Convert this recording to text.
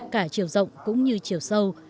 cả chiều rộng cũng như chiều sâu